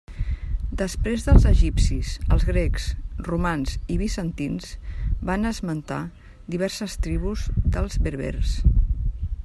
Després dels egipcis, els grecs, romans i bizantins van esmentar diverses tribus dels berbers.